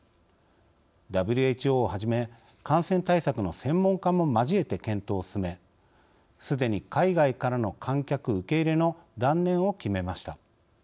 ＷＨＯをはじめ感染対策の専門家も交えて検討を進めすでに海外からの観客受け入れの断念を決めました。